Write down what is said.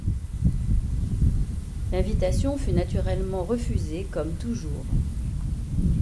L’invitation fut naturellement refusée comme toujours.